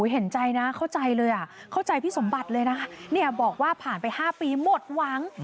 เห็นใจเห็นใจเข้าใจพี่สมบัติเลยนะบอกว่าผ่านไป๕ปีหมดหวัง